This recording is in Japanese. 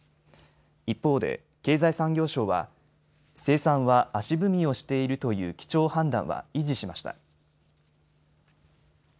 一方で経済産業省は生産は足踏みをしているという基調判断は維持しました。